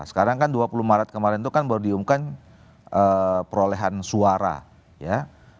sekarang kan dua puluh maret kemarin itu kan baru diumumkan perolehan suara ya